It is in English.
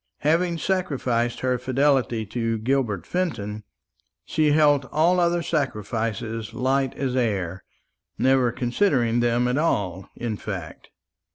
Having sacrificed her fidelity to Gilbert Fenton, she held all other sacrifices light as air never considered them at all, in fact.